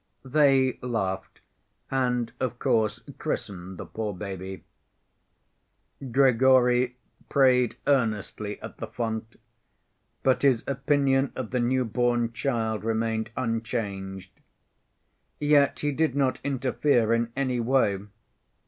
They laughed, and of course christened the poor baby. Grigory prayed earnestly at the font, but his opinion of the new‐born child remained unchanged. Yet he did not interfere in any way.